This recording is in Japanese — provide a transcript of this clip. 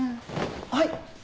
はい！